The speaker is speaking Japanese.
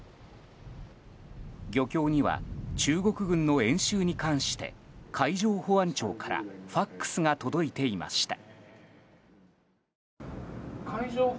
漁協には中国軍の演習に関して海上保安庁からＦＡＸが届いていました。